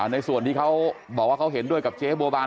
ในส่วนที่เขาบอกว่าเขาเห็นด้วยกับเจ๊บัวบาน